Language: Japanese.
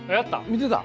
見てた？